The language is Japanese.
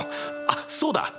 あっそうだ！